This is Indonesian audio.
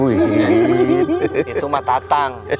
itu mah tatang